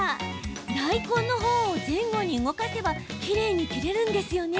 大根の方を前後に動かせばきれいに切れるんですね。